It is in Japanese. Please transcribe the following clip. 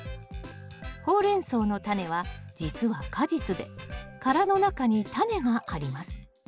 ホウレンソウのタネはじつは果実で殻の中にタネがあります。